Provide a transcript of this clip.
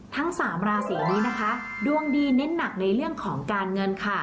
ทั้งสามราศีนี้นะคะดวงดีเน้นหนักในเรื่องของการเงินค่ะ